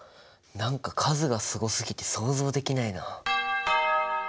何か数がすごすぎて想像できないな。